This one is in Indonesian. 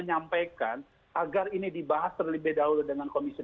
agar ini dibahas terlebih dahulu dengan komisi delapan